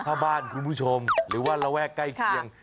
ถ้าบ้านคุณผู้ชมหรือว่าระแวกใกล้เคียง